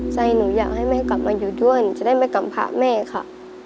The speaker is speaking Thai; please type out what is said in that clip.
ใจหนูอยากให้แม่กลับมาอยู่ด้วยหนูจะได้ไม่กำพระแม่ค่ะ